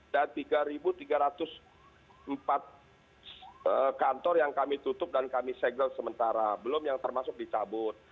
ada tiga tiga ratus empat kantor yang kami tutup dan kami segel sementara belum yang termasuk dicabut